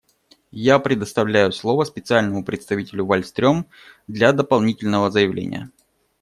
Я предоставляю слово Специальному представителю Вальстрём для дополнительного заявления.